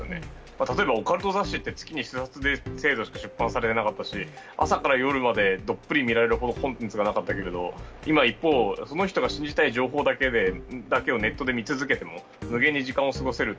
例えばオカルト雑誌って月に数冊程度しか出版されなかったし朝から夜までどっぷり見られるコンテンツがなかったけれど今は一方その人が信じたい情報だけをネットで見続けても無限に時間を過ごせる。